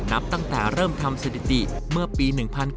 นับตั้งแต่เริ่มทำสถิติเมื่อปี๑๙